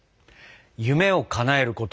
夢をかなえること